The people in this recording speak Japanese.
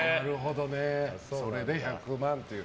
それで１００万という。